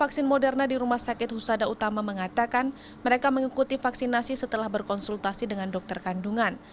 vaksin moderna di rumah sakit husada utama mengatakan mereka mengikuti vaksinasi setelah berkonsultasi dengan dokter kandungan